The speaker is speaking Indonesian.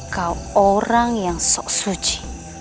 kau orang yang sok suci